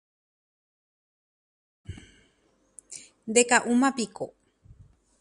Ndeka'úmapiko